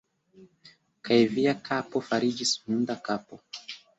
Kaj via kapo fariĝis hunda kapo!